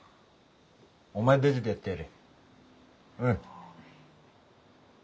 お前たちでやってやれ。